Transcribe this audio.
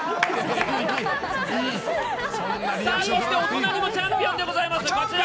そして、お隣もチャンピオンです。